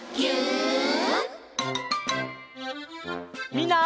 みんな。